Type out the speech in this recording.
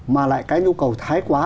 mà lại cái nhu cầu thái quá